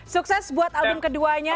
sukses buat album keduanya